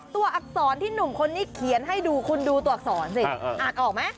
อักษรที่หนุ่มคนนี้เขียนให้ดูคุณดูตัวอักษรสิอ่านออกไหม